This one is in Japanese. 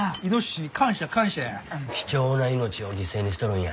貴重な命を犠牲にしとるんや。